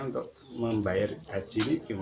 anu dagang terus nyalain